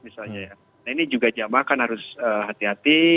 ini juga jamaah akan harus hati hati